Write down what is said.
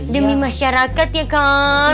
demi masyarakat ya kan